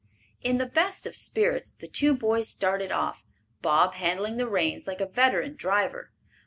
In the best of spirits the two boys started off, Bob handling the reins like a veteran driver.